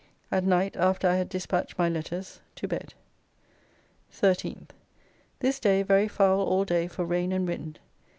At night after I had despatched my letters, to bed. 13th. This day very foul all day for rain and wind.